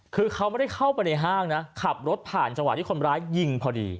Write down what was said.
คือเขาไม่ได้เข้าไปในห้างนะขับรถผ่านจังหวะที่คนร้ายยิงพอดี